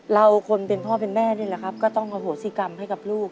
เราคนเป็นพ่อเป็นแม่นี่แหละครับก็ต้องอโหสิกรรมให้กับลูก